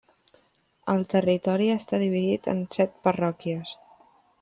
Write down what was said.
El territori està dividit en set parròquies.